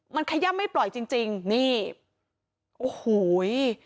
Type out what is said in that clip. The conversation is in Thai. มันขยับไม่ปล่อยจริงนี่โอ้โหย